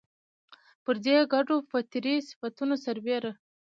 پر دې ګډو فطري صفتونو سربېره